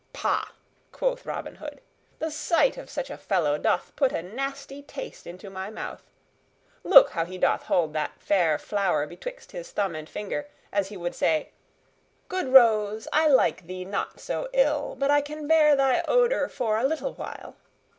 "Pah!" quoth Robin Hood, "the sight of such a fellow doth put a nasty taste into my mouth! Look how he doth hold that fair flower betwixt his thumb and finger, as he would say, 'Good rose, I like thee not so ill but I can bear thy odor for a little while.'